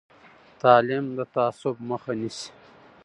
تعلیم د تعصب مخه نیسي.